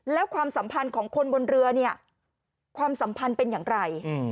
แล้วความสัมพันธ์ของคนบนเรือเนี่ยความสัมพันธ์เป็นอย่างไร